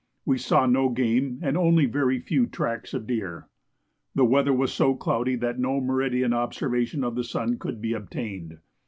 We saw no game and only very few tracks of deer. The weather was so cloudy that no meridian observation of the sun could be obtained.